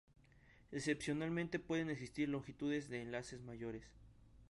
Excepcionalmente pueden existir longitudes de enlace mayores.